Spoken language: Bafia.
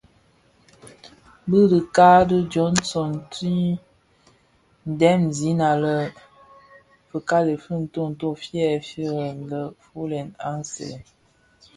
Bi dhikan di Johnson ti dhem zina lè fikali fi ntonto fi fyèri nfulèn aň sèè.